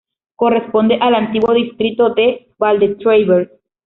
Corresponde al antiguo distrito de Val-de-Travers.